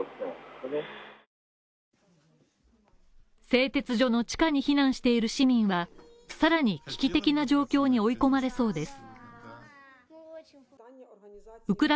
製鉄所の地下に避難している市民はさらに危機的な状況に追い込まれそうです。